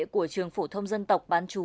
của trường phổ thông dân tộc bán trú